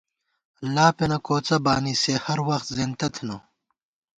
اللہ پېنہ کوڅہ بانی، سے ہر وخت زېنتہ تھنہ